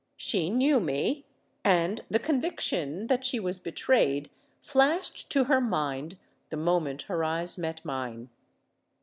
She knew me—and the conviction that she was betrayed flashed to her mind the moment her eyes met mine.